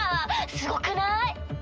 すごくない？